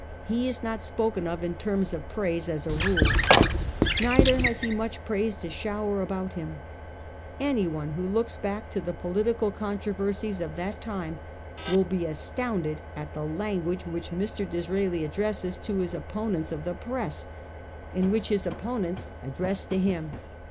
He is not spoken of in terms of praise as a rule. Neither has he much praise to shower about him. Anyone who looks back to the political controversies of that time will be astounded at the language which Mr. Disraeli addresses to his opponents of the press, and which 392 A HISTORY OP OUR OWN TIMES. car. xvr. his opponents address to him.